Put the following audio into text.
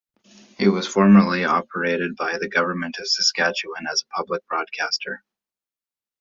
It was formerly operated by the government of Saskatchewan as a public broadcaster.